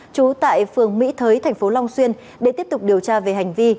trú tại phường mỹ thới tp long xuyên để tiếp tục điều tra về hành vi